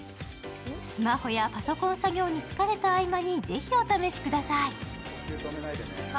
スマホやパソコン作業に疲れた合間にぜひお試しください。